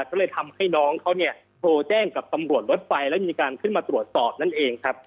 ก็เลยทำให้น้องเขาเนี่ยโทรแจ้งกับตำรวจรถไฟแล้วมีการขึ้นมาตรวจสอบนั่นเองครับ